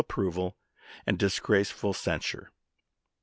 approval and disgraceful censure.